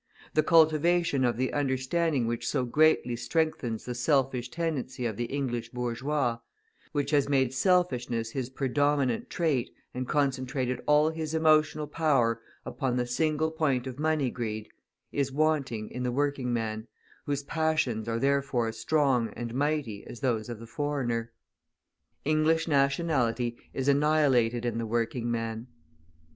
The cultivation of the understanding which so greatly strengthens the selfish tendency of the English bourgeois, which has made selfishness his predominant trait and concentrated all his emotional power upon the single point of money greed, is wanting in the working man, whose passions are therefore strong and mighty as those of the foreigner. English nationality is annihilated in the working man.